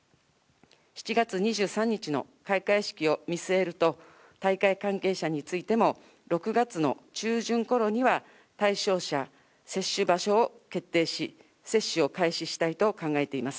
７月２３日の開会式を見据えると、大会関係者についても、６月の中旬頃には対象者、接種場所を決定し、接種を開始したいと考えています。